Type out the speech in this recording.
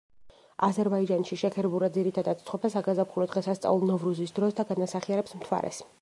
აზერბაიჯანში შექერბურა ძირითადად ცხვება საგაზაფხულო დღესასწაულ ნოვრუზის დროს და განასახიერებს მთვარეს.